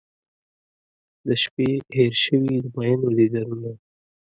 د شپې هیر شوي د میینو دیدنونه